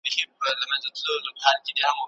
د آبادۍ وېره